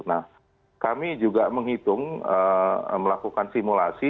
nah kami juga menghitung melakukan simulasi